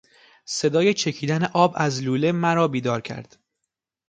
صدای چکیدن آب از لوله مرا بیدار کرد.